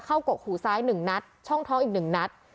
กกหูซ้าย๑นัดช่องท้องอีก๑นัด